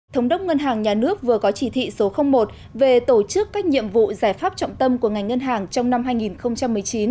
thống đốc ngân hàng nhà nước vừa có chỉ thị số một về tổ chức các nhiệm vụ giải pháp trọng tâm của ngành ngân hàng trong năm hai nghìn một mươi chín